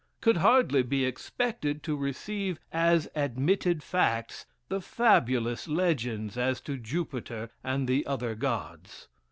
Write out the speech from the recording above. could hardly be expected to receive as admitted facts the fabulous legends as to Jupiter and the other gods.